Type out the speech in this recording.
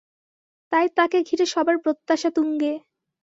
তাই তাঁকে ঘিরে সবার প্রত্যাশা তুঙ্গে।